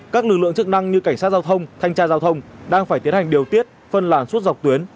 các lực lượng chức năng như cảnh sát giao thông thanh tra giao thông đang phải tiến hành điều tiết phân làn suốt dọc tuyến